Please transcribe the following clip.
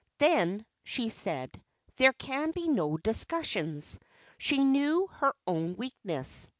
"Then," she said, "there can be no discussions." She knew her own weakness.